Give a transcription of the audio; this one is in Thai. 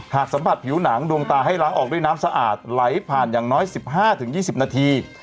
สัมผัสผิวหนังดวงตาให้ล้างออกด้วยน้ำสะอาดไหลผ่านอย่างน้อย๑๕๒๐นาที